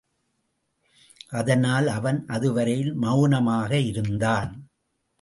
அதனால் அவன் அதுவரையில் மெளனமாக இருந்தான்.